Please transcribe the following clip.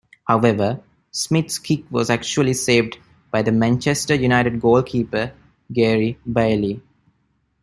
However, Smith's kick was actually saved by the Manchester United goalkeeper, Gary Bailey.